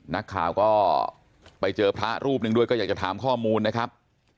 นักข่าวก็ไปเจอพระรูปหนึ่งด้วยก็อยากจะถามข้อมูลนะครับ